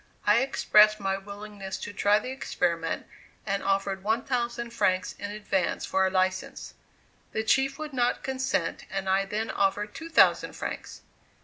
I expressed my willingness to try the experiment and offered one thousand francs in advance for a license. The chief would not consent and I then offered two thousand francs.